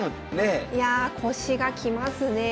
いや腰がきますね。